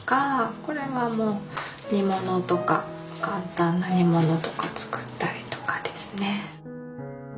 これは煮物とか簡単な煮物とか作ったりとかですね。